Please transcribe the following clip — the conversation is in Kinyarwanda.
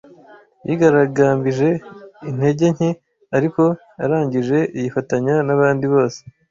Yigaragambije intege nke, ariko arangije yifatanya nabandi bose.